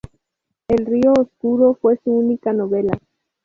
El río oscuro fue su única novela.